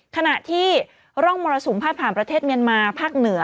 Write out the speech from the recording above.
ขณะที่ร่องมรสุมพาดผ่านประเทศเมียนมาภาคเหนือ